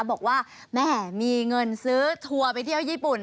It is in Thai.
บอกว่าแม่มีเงินซื้อทัวร์ไปเที่ยวญี่ปุ่น